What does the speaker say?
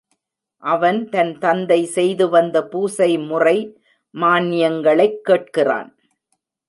அவன் தன் தந்தை செய்து வந்த பூசைமுறை மான்யங்களைக் கேட்கிறான்.